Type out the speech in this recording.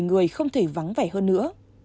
người không thể vắng vẻ hơn nữa